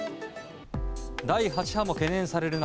第８波も懸念される